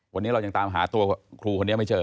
วันนี้เรายังตามหาตัวครูคนนี้ไม่เจอ